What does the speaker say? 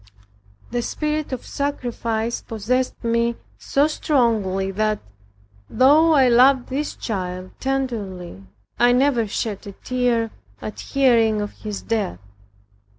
The spirit of sacrifice possessed me so strongly, that, though I loved this child tenderly, I never shed a tear at hearing of his death.